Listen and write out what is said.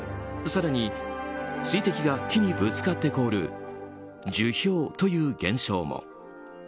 更に、水滴が木にぶつかって凍る樹氷という現象も。